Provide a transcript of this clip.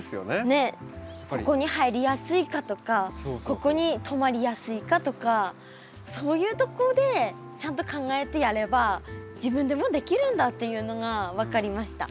ねっここに入りやすいかとかここにとまりやすいかとかそういうとこでちゃんと考えてやれば自分でもできるんだっていうのが分かりました。